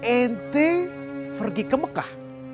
aku pergi ke mekah